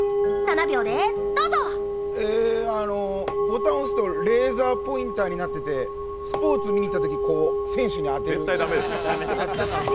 ボタンを押すとレーザーポインターになっていてスポーツ見に行ったとき、選手に当てる。